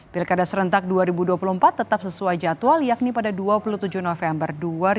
pilkada serentak dua ribu dua puluh empat tetap sesuai jadwal yakni pada dua puluh tujuh november dua ribu dua puluh